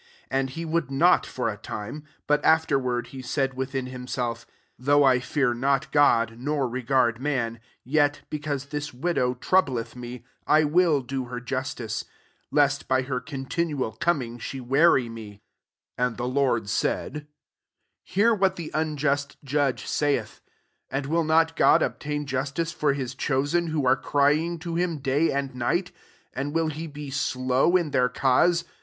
4 And he would not for a time : but afterward he said within himself, < Though I fear not God, nor regard man; 5 yet, because this widow trou bleth me, I will do her justice ; lest by her continual coming said, 'Hear what the unjust judge saith.* 7 And will not Grod obtain justice for his cho sen, who are crying to him day and night ? and will he be slow in their cause